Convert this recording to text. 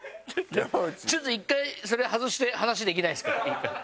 ちょっと１回それ外して話できないですか？